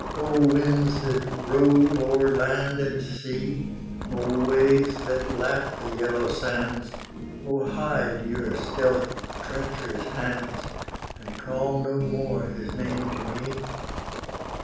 Oh winds that rove o'er land and sea! Oh waves that lap the yellow sands! Oh hide your stealthy, treacherous hands, And call no more his name to me.'